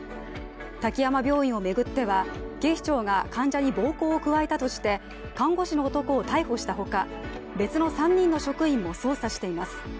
滝山病院を巡っては警視庁が患者に暴行を加えたとして看護師の男を逮捕したほか別の３人の職員も捜査しています。